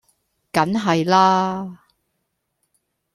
梗係啦